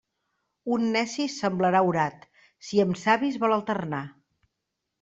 Un neci semblarà orat, si amb savis vol alternar.